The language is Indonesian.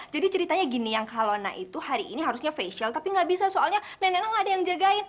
jadi ceritanya gini yang kalau nak itu hari ini harusnya facial tapi gak bisa soalnya nenek nenek gak ada yang jagain